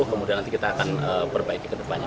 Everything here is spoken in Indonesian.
kemudian nanti kita akan perbaiki kedepannya